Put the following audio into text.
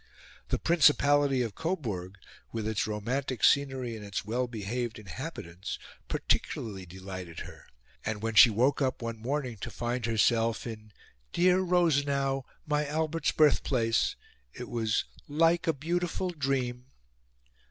The principality of Coburg, with its romantic scenery and its well behaved inhabitants, particularly delighted her; and when she woke up one morning to find herself in "dear Rosenau, my Albert's birthplace," it was "like a beautiful dream."